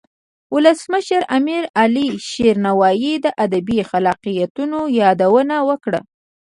ولسمشر د امیر علي شیر نوایی د ادبی خلاقیتونو یادونه وکړه.